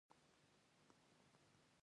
هغوی په کارخانو کې هم لوړ مقام لري